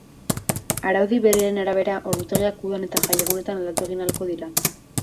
Araudi berriaren arabera, ordutegiak udan eta jaiegunetan aldatu egin ahalko dira.